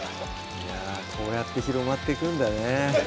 こうやって広まっていくんだね